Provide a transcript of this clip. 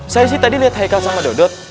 saya sih tadi lihat haikal sama dodot